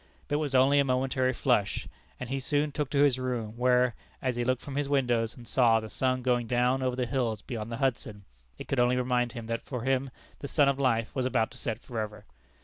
But it was only a momentary flush, and he soon took to his room, where, as he looked from his windows, and saw the sun going down over the hills beyond the Hudson, it could only remind him that for him the sun of life was about to set forever.